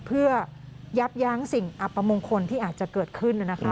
เพื่อยับยั้งสิ่งอัปมงคลที่อาจจะเกิดขึ้น